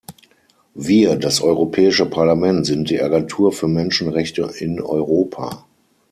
Wir, das Europäische Parlament, sind die Agentur für Menschenrechte in Europa.